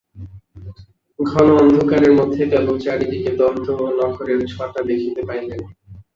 ঘন অন্ধকারের মধ্যে কেবল চারি দিকে দন্ত ও নখরের ছটা দেখিতে পাইলেন।